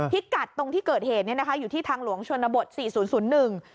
พิกัดตรงที่เกิดเหตุเนี้ยนะคะอยู่ที่ทางหลวงชนบทสี่ศูนย์ศูนย์หนึ่ง